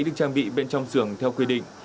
được trang bị bên trong sường theo quy định